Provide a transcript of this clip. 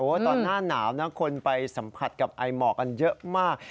ตอนหน้าหนาวนะคนไปสัมผัสกับไอหมอกกันเยอะมาก